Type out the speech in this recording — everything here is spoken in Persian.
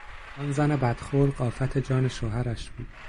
آن زن بد خلق آفت جان شوهرش بود.